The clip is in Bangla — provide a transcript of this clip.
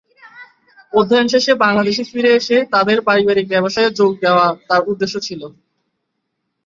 অধ্যয়ন শেষে বাংলাদেশে ফিরে এসে তাদের পারিবারিক ব্যবসায়ে যোগ দেয়া তার উদ্দেশ্য ছিল।